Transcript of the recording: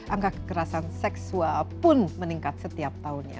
angka kekerasan seksual pun meningkat setiap tahunnya